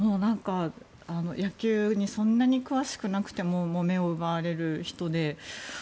野球にそんなに詳しくなくても目を奪われる人で。